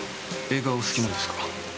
映画、お好きなんですか？